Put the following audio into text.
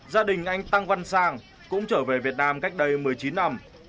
gia đình anh tăng văn sang cũng trở về việt nam cách đây một mươi chín năm